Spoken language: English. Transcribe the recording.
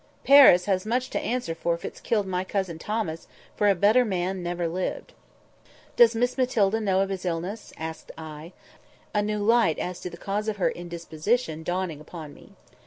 Paris has much to answer for if it's killed my cousin Thomas, for a better man never lived." "Does Miss Matilda know of his illness?" asked I—a new light as to the cause of her indisposition dawning upon me.